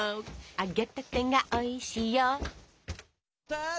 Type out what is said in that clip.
「揚げたてが美味しいよ」